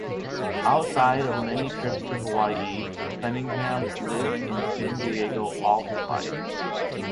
Outside of many trips to Hawaii, Cunningham lived in San Diego all his life.